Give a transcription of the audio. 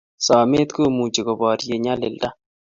somet komuchi koborie nyalilda